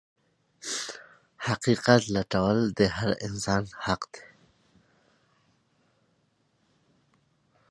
حقيقت لټول د هر انسان حق دی.